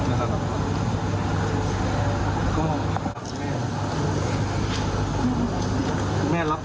หรือก็แม่สาวตะวันเริ่มขึ้นแล้วคุณพ่อมาเลยนะครับ